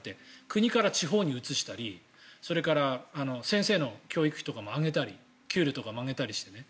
国から地方に移したりそれから先生の教育費とかも上げたり給料とかも上げたりしてね。